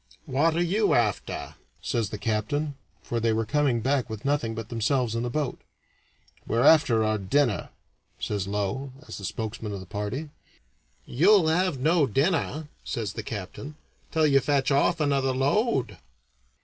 "What are you after?" says the captain, for they were coming back with nothing but themselves in the boat. "We're after our dinner," says Low, as spokesman of the party. "You'll have no dinner," says the captain, "until you fetch off another load."